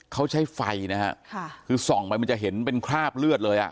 เขาใช้ไฟนะฮะค่ะคือส่องไปมันจะเห็นเป็นคราบเลือดเลยอ่ะ